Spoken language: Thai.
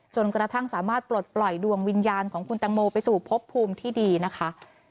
จนกระทั่งสามารถปลดปล่อยดวงวิญญาณของคุณตังโมไปสู่พบภูมิที่ดีนะคะ